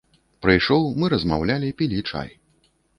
Прыйшоў, мы размаўлялі, пілі чай.